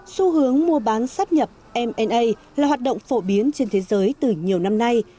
xu hướng mua bán sắp nhập mna là hoạt động phổ biến trên thế giới từ nhiều năm nay